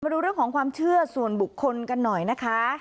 ดูเรื่องของความเชื่อส่วนบุคคลกันหน่อยนะคะ